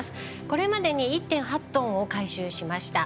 これまでに１．８トンを回収しました。